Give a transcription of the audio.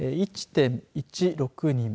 １．１６人。